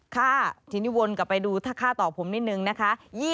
ค่ะทีนี้วนกลับไปดูถ้าฆ่าตอบผมนิดนึงนะคะ